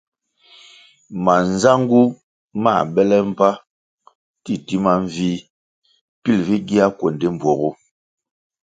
Manzangu mãh bele mbpa titima mvih pil vi gia kuendi mbpuogu.